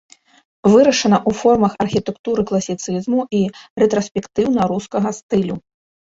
Вырашана ў формах архітэктуры класіцызму і рэтраспектыўна-рускага стылю.